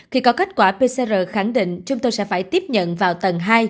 khi có kết quả pcr khẳng định chúng tôi sẽ phải tiếp nhận vào tầng hai